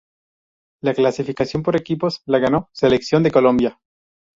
La clasificación por equipos la ganó "Selección de Colombia".